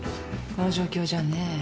この状況じゃあね。